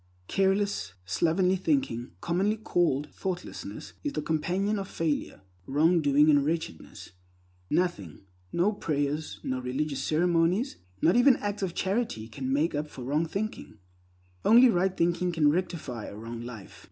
Careless, slovenly thinking, commonly called thoughtlessness, is the companion of failure, wrongdoing, and wretchedness. Nothing, no prayers, no religious ceremonies, not even acts of charity, can make up for wrong thinking. Only right thinking can rectify a wrong life.